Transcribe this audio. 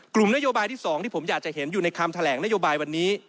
กลุ่มนโยบายที่๒ที่ผมอยากจะเห็นอยู่ในคำแถลงนโยบายวันนี้